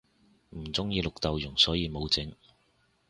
唔鍾意綠豆蓉所以無整